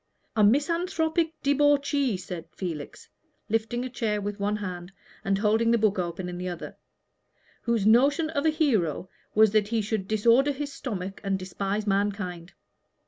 "A misanthropic debauchee," said Felix, lifting a chair with one hand, and holding the book open in the other, "whose notion of a hero was that he should disorder his stomach and despise mankind.